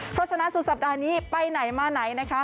เพราะฉะนั้นสุดสัปดาห์นี้ไปไหนมาไหนนะคะ